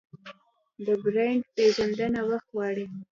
د برانډ پیژندنه وخت غواړي.